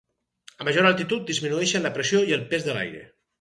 A major altitud disminueixen la pressió i el pes de l'aire.